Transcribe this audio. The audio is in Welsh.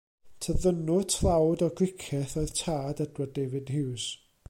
Tyddynwr tlawd o Gricieth oedd tad Edward David Hughes.